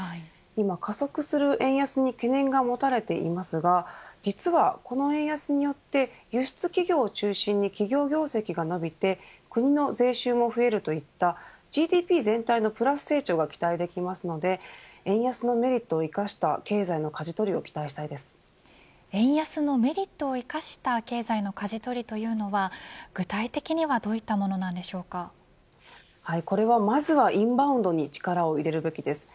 今、加速する円安に懸念が持たれていますが実はこの円安によって輸出企業を中心に企業業績が伸びて国の税収も増えるといったＧＤＰ全体のプラス成長が期待できますので円安のメリットを生かした経済のかじ取りを円安のメリットを生かした経済のかじ取りというのは具体的にはこれはまずはインバウンドに力を入れるべきです。